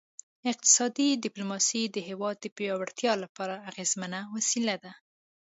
اقتصادي ډیپلوماسي د هیواد د پیاوړتیا لپاره اغیزمنه وسیله ده